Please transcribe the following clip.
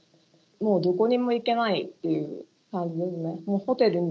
もうどこにも行けないという。